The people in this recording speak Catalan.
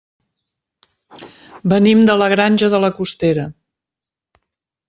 Venim de la Granja de la Costera.